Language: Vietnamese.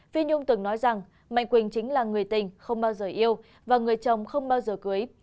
phi nhung từng nói rằng mạnh quỳnh chính là người tình không bao giờ yêu và người chồng không bao giờ cưới